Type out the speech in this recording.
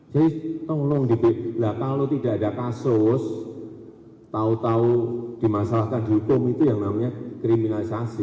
jadi tolong dibelakang kalau tidak ada kasus tau tau dimasalahkan di hukum itu yang namanya kriminalisasi